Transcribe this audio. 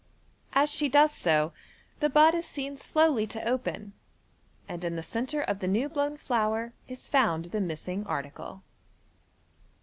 As Bhe does so, the bud is seen slowly to open, and in the centre of the new blown flower is found the missing aiucle.